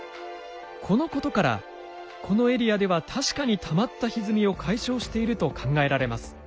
このことからこのエリアでは確かにたまったひずみを解消していると考えられます。